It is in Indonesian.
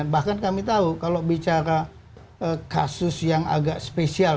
bahkan kami tahu kalau bicara kasus yang agak spesial